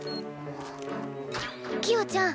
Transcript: キヨちゃん